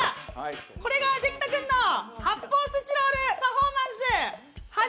これができたくんの発泡スチロールパフォーマンス。